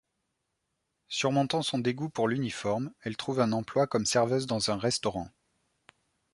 Surmontant son dégoût pour l'uniforme, elle trouve un emploi comme serveuse dans un restaurant.